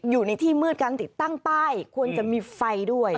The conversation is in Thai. อยู่ในที่มืดการติดตั้งป้ายควรจะมีไฟด้วย